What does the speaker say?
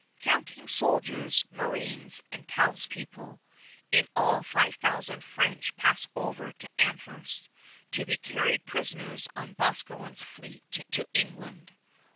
Counting soldiers, marines, and townspeople, in all five thousand French pass over to Amherst, to be carried prisoners on Boscawen's fleet to England.